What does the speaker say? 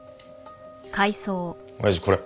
親父これ。